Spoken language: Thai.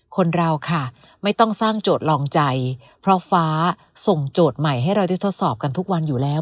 คนเราค่ะไม่ต้องสร้างโจทย์ลองใจเพราะฟ้าส่งโจทย์ใหม่ให้เราได้ทดสอบกันทุกวันอยู่แล้ว